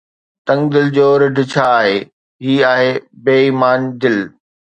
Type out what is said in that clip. تنگ دل جو رڍ ڇا آهي، هي آهي بي ايمان دل